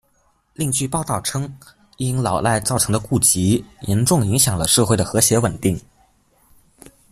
另据报道称，因“老赖”造成的痼疾，严重影响了“社会的和谐稳定”。